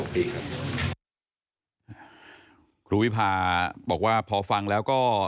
ครูวิพาบอกว่าพอฟังแล้วก็